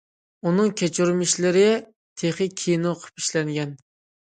ئۇنىڭ كەچۈرمىشلىرى تېخى كىنو قىلىپ ئىشلەنگەن.